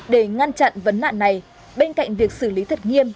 để ngăn chặn vấn nạn này bên cạnh việc xử lý thật nghiêm